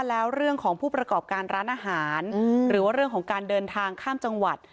แล้วเรื่องของผู้ประกอบการร้านอาหารหรือว่าเรื่องของการเดินทางข้ามจังหวัด